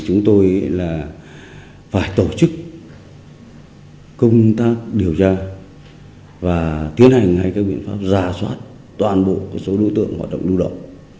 chúng tôi phải tổ chức công tác điều tra và tiến hành các biện pháp rà soát toàn bộ số đối tượng hoạt động đu động